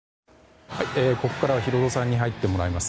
ここからはヒロドさんに入ってもらいます。